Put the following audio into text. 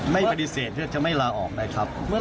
ไม่ปฏิเสธที่จะไม่ลาออกนะครับ